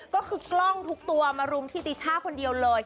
ก็คือกล้องทุกตัวมารุมที่ติช่าคนเดียวเลย